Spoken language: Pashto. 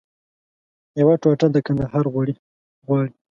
یوه ټوټه د کندهار غواړي